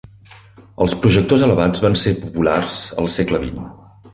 Els projectors elevats van ser populars al segle XX.